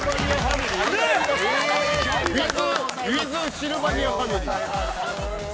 ◆ｗｉｔｈシルバニアファミリー。